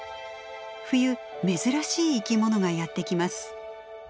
冬珍しい生き物がやって来ます。